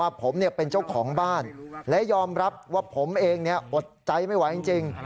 ผมเป็นเจ้าของบ้านและยอมรับว่าผมเองอดใจไม่ไหวจริง